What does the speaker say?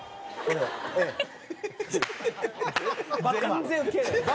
全然ウケない。